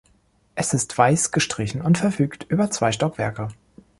Es ist weiß gestrichen und verfügt über zwei Stockwerke.